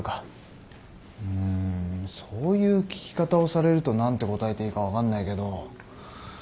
うーんそういう聞き方をされると何て答えていいか分かんないけど。